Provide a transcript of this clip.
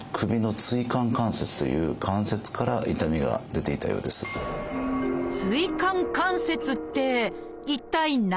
「椎間関節」って一体何？